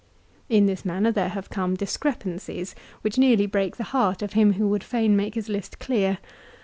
In this manner there have come discrepancies, which nearly break the heart of him who would fain make his list clear.